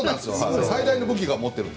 最大の武器を持っているので。